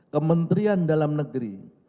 kementerian dalam negeri